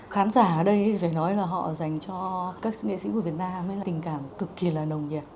khán giả ở đây phải nói là họ dành cho các nghệ sĩ của việt nam mới là tình cảm cực kỳ là nồng nhiệt